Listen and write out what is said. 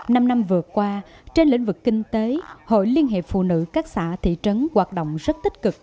năm năm vừa qua trên lĩnh vực kinh tế hội liên hiệp phụ nữ các xã thị trấn hoạt động rất tích cực